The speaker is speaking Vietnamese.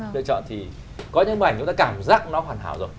lựa chọn thì có những bức ảnh chúng ta cảm giác nó hoàn hảo rồi